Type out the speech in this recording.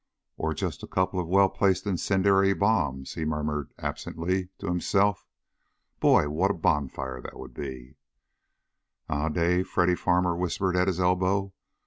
"Or just a couple of well placed incendiary bombs!" he murmured absently to himself. "Boy! What a bonfire that would be!" "Eh, Dave?" Freddy Farmer whispered at his elbow.